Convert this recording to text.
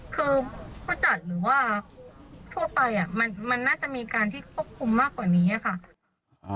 คือผู้จัดหรือว่าทั่วไปมันน่าจะมีการที่ควบคุมมากกว่านี้ค่ะ